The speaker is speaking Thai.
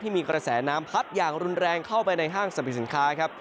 มีกระแสน้ำพัดอย่างรุนแรงเข้าไปในห้างสรรพสินค้าครับ